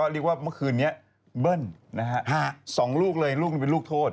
๒ลูกเลยอีกลูกหนึ่งเป็นลูกโทษ